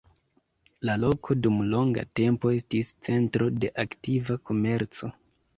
La loko dum longa tempo estis centro de aktiva komerco.